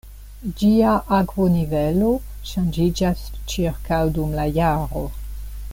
Ĝia akvonivelo ŝanĝiĝas ĉirkaŭ dum la jaro.